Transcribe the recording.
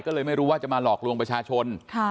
ก็เลยไม่รู้ว่าจะมาหลอกลวงประชาชน